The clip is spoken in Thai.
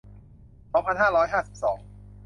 สองพันห้าร้อยห้าสิบสอง